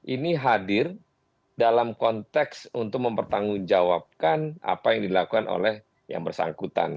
ini hadir dalam konteks untuk mempertanggungjawabkan apa yang dilakukan oleh yang bersangkutan